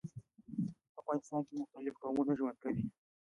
په افغانستان کي مختلیف قومونه ژوند کوي.